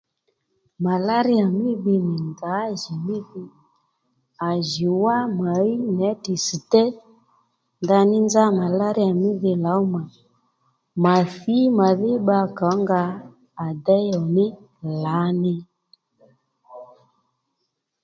Màláríyà mí dhi nì ngǎjìní dhi à jì mà wá ɦíy nětì ss̀téy ndaní nzá màláríyà mí dhi lǒw mà mà thǐ màdhí bba kàónga à déyo ní lǎní